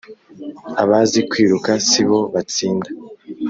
abazi kwiruka si bo batsinda